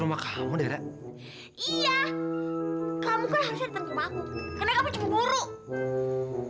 tuhh lihat tuh muka dia kan bonyok bonyok